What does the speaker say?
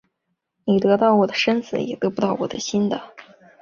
你得到我的身子也得不到我的心的